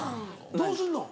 どうすんの？